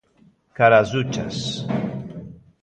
Cara ás duchas.